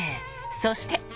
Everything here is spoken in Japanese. そして。